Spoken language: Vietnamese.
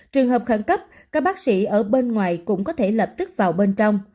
trường hợp khẩn cấp các bác sĩ ở bên ngoài cũng có thể lập tức vào bên trong